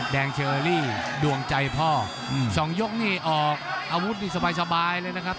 เชอรี่ดวงใจพ่อสองยกนี่ออกอาวุธนี่สบายเลยนะครับ